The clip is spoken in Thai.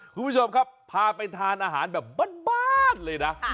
คุณผู้ชมครับพาไปทานอาหารแบบบ้านเลยนะ